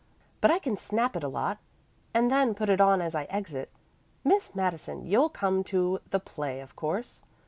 But I can snap it a lot, and then put it on as I exit. Miss Madison, you'll come to the play of course.